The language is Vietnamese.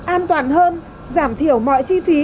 an toàn hơn giảm thiểu mọi chi phí